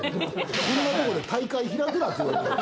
こんなとこで大会開くなって。